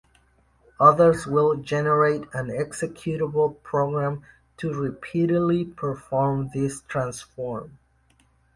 Others will generate an executable program to repeatedly perform this transform.